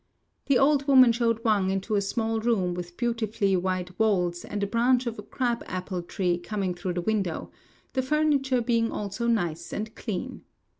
The old woman showed Wang into a small room with beautifully white walls and a branch of a crab apple tree coming through the window, the furniture being also nice and clean.